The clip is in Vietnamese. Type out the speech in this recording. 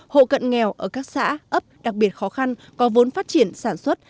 hộ cận nghèo ở các xã ấp đặc biệt khó khăn có vốn phát triển sản xuất